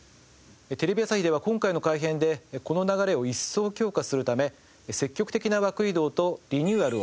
テレビ朝日では今回の改編でこの流れを一層強化するため積極的な枠移動とリニューアルを行いました。